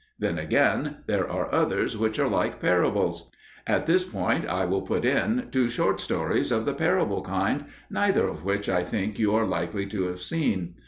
Then again, there are others which are like parables. At this point I will put in two short stories of the parable kind, neither of which I think you are likely to have seen.